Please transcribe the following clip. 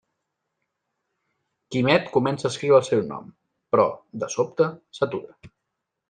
Quimet comença a escriure el seu nom, però, de sobte, s'atura.